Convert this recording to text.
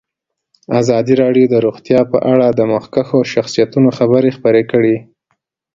ازادي راډیو د روغتیا په اړه د مخکښو شخصیتونو خبرې خپرې کړي.